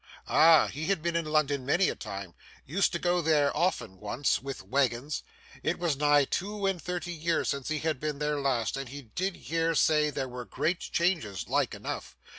Ah! He had been in London many a time used to go there often once, with waggons. It was nigh two and thirty year since he had been there last, and he did hear say there were great changes. Like enough!